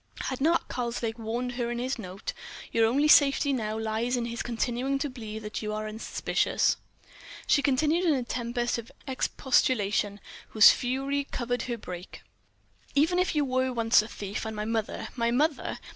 Had not Karslake warned her in his note: "Your only safety now lies in his continuing to believe that you are unsuspicious." She continued in a tempest of expostulation whose fury covered her break: "Even if you were once a thief and my mother—my mother!